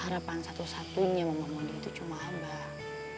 harapan satu satunya mama mandi itu cuma abah